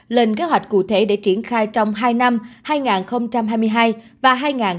lên kế hoạch cụ thể để triển khai trong hai năm hai nghìn hai mươi hai và hai nghìn hai mươi năm